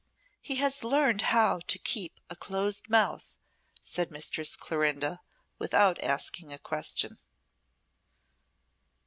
"He has learned how to keep a closed mouth," said Mistress Clorinda, without asking a question.